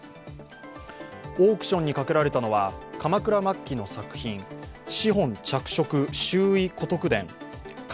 オークションにかけられたのは鎌倉末期の作品、「紙本著色拾遺古徳伝巻